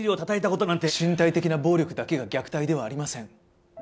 身体的な暴力だけが虐待ではありません。